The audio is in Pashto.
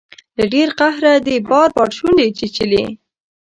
له ډیر قهره دې بار بار شونډې چیچلي